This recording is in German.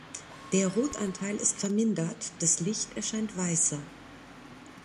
Der Rotanteil ist vermindert, das Licht erscheint weißer.